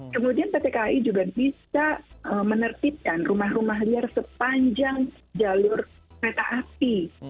kemudian pt kai juga bisa menertibkan rumah rumah liar sepanjang jalur kereta api